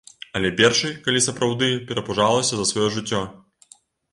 Але першай, калі сапраўды перапужалася за сваё жыццё.